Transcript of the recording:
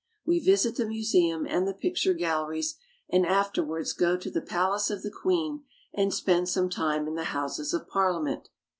We visit the museum and the picture galleries, and after wards go to the palace of the queen and spend some time in the Houses of Parliament.